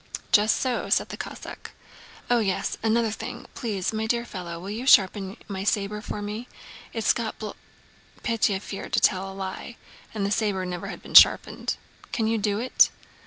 "Just so," said the Cossack. "Oh yes, another thing! Please, my dear fellow, will you sharpen my saber for me? It's got bl..." (Pétya feared to tell a lie, and the saber never had been sharpened.) "Can you do it?"